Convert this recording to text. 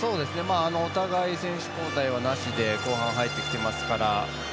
お互い、選手交代はなしで後半に入ってきていますから。